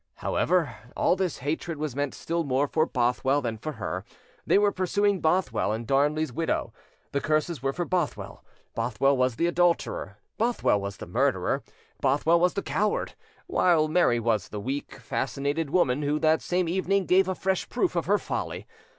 However, all this hatred was meant still more for Bothwell than for her: they were pursuing Bothwell in Darnley's widow. The curses were for Bothwell: Bothwell was the adulterer, Bothwell was the murderer, Bothwell was the coward; while Mary was the weak, fascinated woman, who, that same evening, gave afresh proof of her folly.